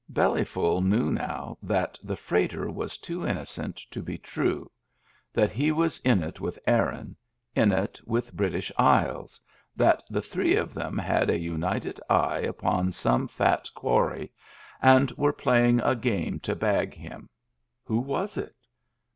Bellyful knew now that the freighter was too innocent to be true, that he was in it with Aaron, in it with British Isles, that the three of them had a united eye upon some fat quarry, and were playing a game to bag him. Who was it.?